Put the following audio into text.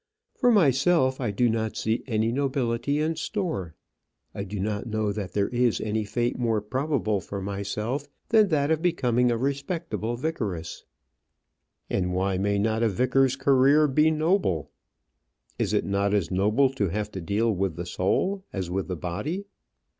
For myself, I do not see any nobility in store. I do not know that there is any fate more probable for myself than that of becoming a respectable vicaress." "And why may not a vicar's career be noble? Is it not as noble to have to deal with the soul as with the body?"